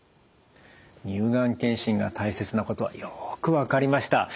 乳がん検診が大切なことはよく分かりました。